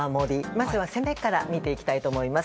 まずは攻めから見ていきたいと思います。